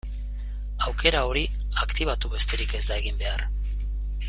Aukera hori aktibatu besterik ez da egin behar.